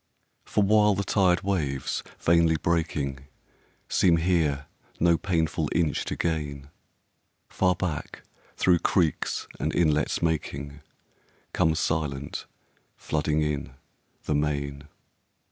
For while the tired waves, vainly breaking, Seem here no painful inch to gain, Far back, through creeks and inlets making, Comes silent, flooding in, the main.